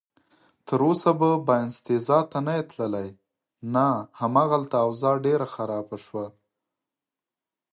تراوسه به باینسیزا ته نه یې تللی؟ نه، هماغلته اوضاع ډېره خرابه شوه.